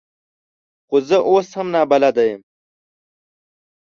خو زه اوس هم نابلده یم .